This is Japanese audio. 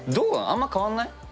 あんま変わんない？